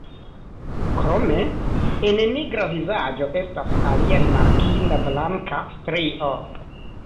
Krome en nigra vizaĝo estas alia rimarkinda blanka strio.